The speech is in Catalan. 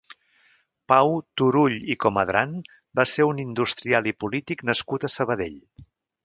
Pau Turull i Comadran va ser un industrial i polític nascut a Sabadell.